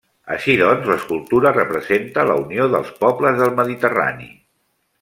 Així doncs, l’escultura representa la unió dels pobles del mediterrani.